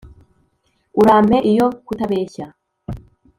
Urampe iyo kutabeshya